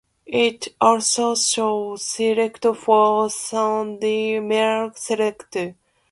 It also shows scenes from Sydney mail centre.